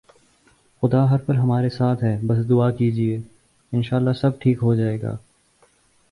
خدا ہر پل ہمارے ساتھ ہے بس دعا کیجئے، انشاءاللہ سب ٹھیک ہوجائےگا